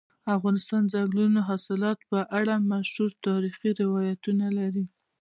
افغانستان د دځنګل حاصلات په اړه مشهور تاریخی روایتونه لري.